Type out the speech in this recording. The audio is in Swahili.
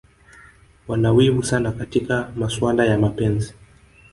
Wana wivu sana katika masuala ya mapenzi